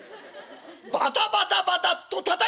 バタバタバタッとたたいたか！」。